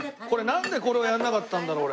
なんでこれをやらなかったんだろう？